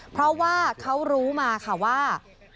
เพราะว่าเขารู้มาค่ะว่า